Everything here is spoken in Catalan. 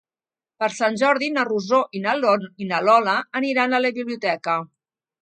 Per Sant Jordi na Rosó i na Lola aniran a la biblioteca.